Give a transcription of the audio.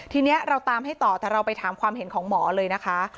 ทีนี้เราตามให้ต่อแต่เราไปถามความเห็นของหมอเลยนะคะ